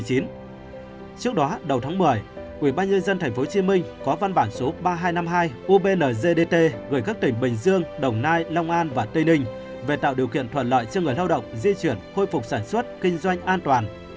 trước đó đầu tháng một mươi ubnd tp hcm có văn bản số ba nghìn hai trăm năm mươi hai ubnzd gửi các tỉnh bình dương đồng nai long an và tây ninh về tạo điều kiện thuận lợi cho người lao động di chuyển khôi phục sản xuất kinh doanh an toàn